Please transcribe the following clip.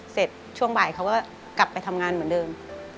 ช่วงบ่ายเขาก็กลับไปทำงานเหมือนเดิม